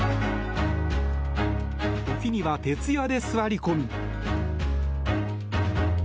時には徹夜で座り込み。